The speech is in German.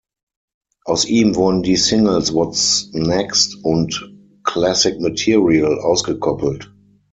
Aus ihm wurden die Singles "What's Next" und "Classic Material" ausgekoppelt.